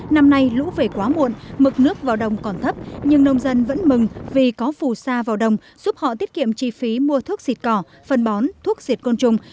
năm nay lũ về quá muộn mực nước vào đồng còn thấp nhưng nông dân vẫn mừng vì có phù sa vào đồng giúp họ tiết kiệm chi phí mua thuốc diệt cỏ phân bón thuốc diệt côn trùng